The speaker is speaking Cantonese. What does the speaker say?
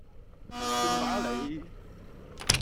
算罷啦你